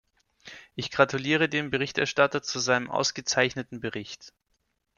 Ich gratuliere dem Berichterstatter zu seinem ausgezeichneten Bericht.